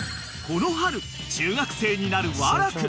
［この春中学生になる和楽］